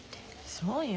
そうよ。